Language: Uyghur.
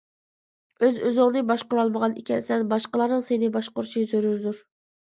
ئۆز-ئۆزۈڭنى باشقۇرالمىغان ئىكەنسەن باشقىلارنىڭ سېنى باشقۇرۇشى زۆرۈردۇر.